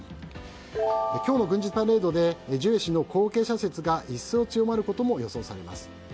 今日の軍事パレードでジュエ氏の後継者説が一層強まることも予想されます。